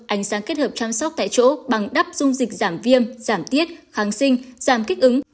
ánh sáng kết hợp chăm sóc tại chỗ bằng đắp dung dịch giảm viêm giảm tiết kháng sinh giảm kích ứng